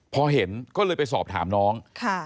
พอเห็นก็เลยไปสอบถามน้อง